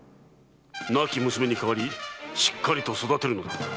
亡き娘に代わりしっかりと育てるのだ。